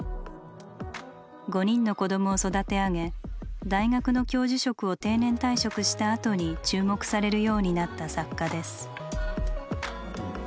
５人の子どもを育て上げ大学の教授職を定年退職したあとに注目されるようになった作家です。